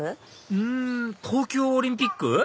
うん東京オリンピック？